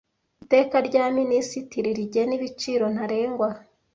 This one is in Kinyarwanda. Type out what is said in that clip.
Iteka rya Minisitiri rigena ibiciro ntarengwa